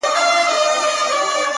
ژوند پکي اور دی ـ آتشستان دی ـ